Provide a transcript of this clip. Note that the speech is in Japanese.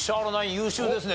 優秀ですね。